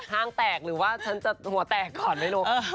ห้างแตกหรือว่าฉันจะหัวแตกก่อนไม่รู้